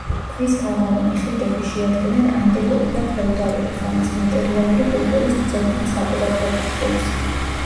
ქვისთაღოვანი ხიდები შეადგენენ ანტიკური და ფეოდალური ხანის მატერიალური კულტურის ძეგლთა საყურადღებო ჯგუფს.